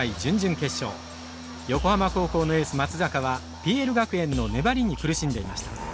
横浜高校のエース松坂はＰＬ学園の粘りに苦しんでいました。